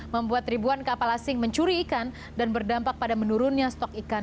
membuat ribuan kapal asing mencuri ikan dan berdampak pada menurunnya stok ikan